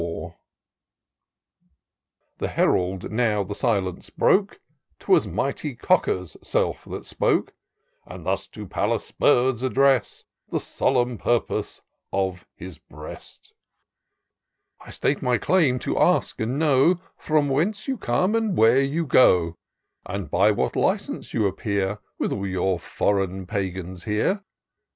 IN SEARCH OF THE PidTURESQUE. 319 " The Herald now the silence broke, 'Twas mighty Cocker's self that spoke ; And thus to Pallas' bird address'd The solemn purpose of his breast :"' I state my claim to ask and know From whence you come and where you go, And by what license you appear With all your foreign Pagans here